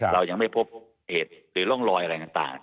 เรายังไม่พบเหตุหรือร่องรอยอะไรต่าง